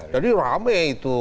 jadi ramai itu